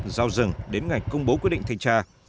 giao rừng đến ngày công bố quyết định thanh tra